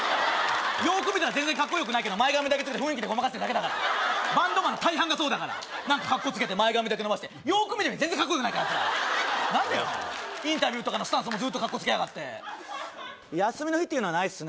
よく見たら全然カッコよくないけど前髪だけちょっと雰囲気でごまかしてるだけだからバンドマンの大半がそうだから何かカッコつけて前髪だけ伸ばしてよく見れば全然カッコよくないからアイツら何だよインタビューとかのスタンスもずっとカッコつけやがって「休みの日っていうのはないっすね」